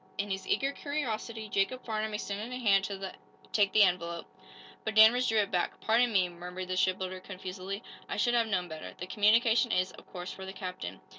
In his eager curiosity Jacob Farnum extended a hand to take the envelope, but Danvers drew it back. "Pardon me," murmured the shipbuilder, confusedly. "I should have known better. The communication is, of course, for the captain."